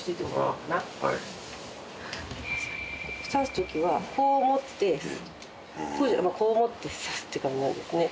刺すときはこう持ってこう持って刺すって感じなんですね。